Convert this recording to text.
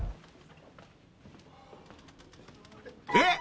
［えっ？